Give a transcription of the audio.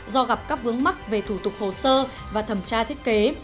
do gặp các vướng mắc về thủ tục hồ sơ và thẩm tra thiết kế